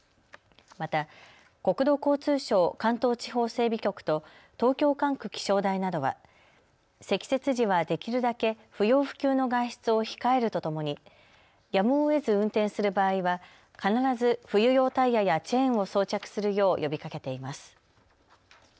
また国土交通省関東地方整備局と東京管区気象台などは積雪時はできるだけ不要不急の外出を控えるとともにやむをえず運転する場合は必ず冬用タイヤやチェーンを装着するよう呼びかけています。